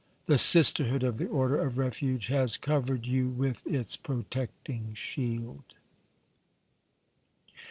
The Sisterhood of the Order of Refuge has covered you with its protecting shield."